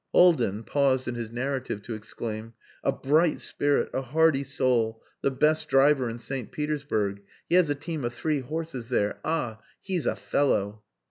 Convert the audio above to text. Haldin paused in his narrative to exclaim "A bright spirit! A hardy soul! The best driver in St. Petersburg. He has a team of three horses there.... Ah! He's a fellow!"